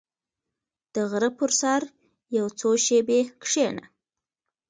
• د غره پر سر یو څو شېبې کښېنه.